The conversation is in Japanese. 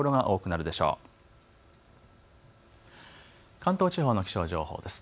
関東地方の気象情報です。